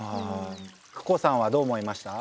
ＫＵＫＯさんはどう思いました？